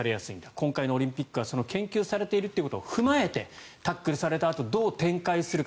今回のオリンピックは研究されているということを踏まえてタックルされたあとどう展開するか。